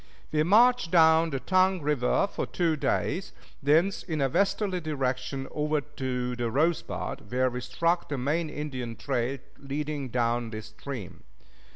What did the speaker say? We marched down the Tongue River for two days, thence in a westerly direction over to the Rosebud, where we struck the main Indian trail leading down this stream.